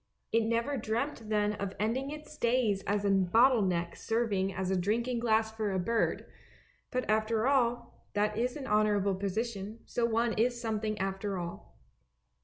It never dreamt then of ending its days as a bottle neck serving as a drinking glass for a bird; but after all, that is an honourable position, so one is something after all.